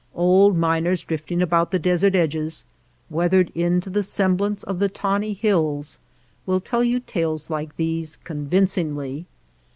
Old miners drifting about the desert edges, weathered into the semblance of the tawny hills, will tell you tales like these convincingly.